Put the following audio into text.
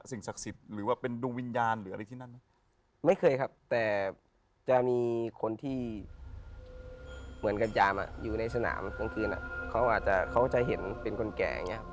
สิ่งศักดิ์สิทธิ์หรือว่าเป็นดรุงวิญญาณหรืออะไรที่นั่นเนอะ